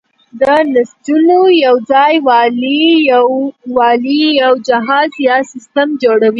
د نسجونو یوځای والی یو جهاز یا سیستم جوړوي.